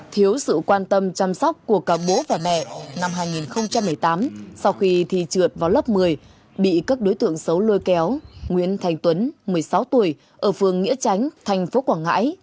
thiếu sự quan tâm chăm sóc của cả bố và mẹ năm hai nghìn một mươi tám sau khi thi trượt vào lớp một mươi bị các đối tượng xấu lôi kéo nguyễn thành tuấn một mươi sáu tuổi ở phường nghĩa tránh thành phố quảng ngãi